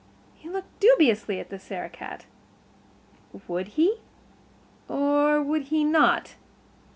He looked dubiously at the Sarah cat. Would he or would he not?